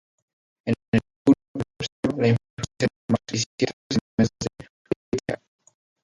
En el "Curso" se observa la influencia de Marx y ciertos elementos de Whitehead.